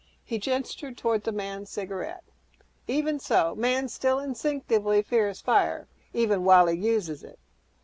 He gestured toward the man's cigarette, "Even so, man still instinctively fears fire even while he uses it.